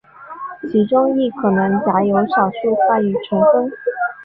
其中亦可能夹有少数汉语成分。